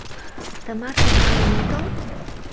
Тымарте пален отыл?